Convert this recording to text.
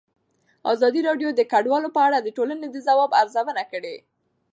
ازادي راډیو د کډوال په اړه د ټولنې د ځواب ارزونه کړې.